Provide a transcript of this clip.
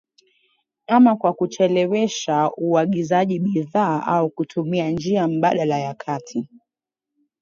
ama kwa kuchelewesha uagizaji bidhaa au kutumia njia mbadala ya kati